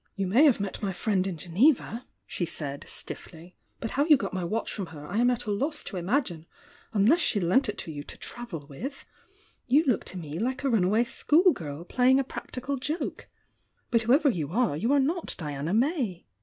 "You may have met my friend in Geneva," she said, stiffly. "But how you got my watch from her, I am at a loss to imagine — unless she lent it to you to travel with. You look to me hke a run away schoolgirl playing a practical joke. But whoever you are, you are not Diana May."